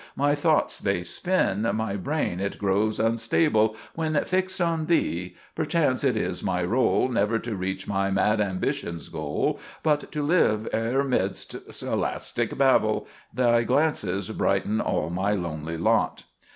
My thoughts they spin; my brain it grows unstable When fixed on Thee. Perchance it is my rôle Never to reach my mad ambition's Goal, But to live ever 'midst scholastic babel. Thy glances brighten all my lonely lot.